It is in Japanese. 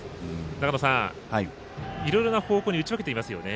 長野さん、いろいろな方向に打ち分けていますよね。